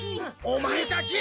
おまえたち。